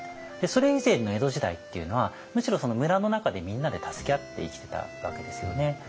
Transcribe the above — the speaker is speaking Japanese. それ以前の江戸時代っていうのはむしろ村の中でみんなで助け合って生きてたわけですよね。